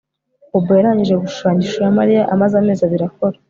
Bobo yarangije gushushanya ishusho ya Mariya amaze amezi abiri akora